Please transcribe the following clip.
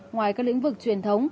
ngoài các lĩnh vực truyền thống